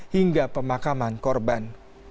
hingga pemakaman korban